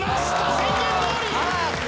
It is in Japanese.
宣言どおり！